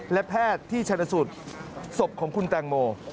และแพทย์ที่ชัดละสุดสบของคุณแตงโม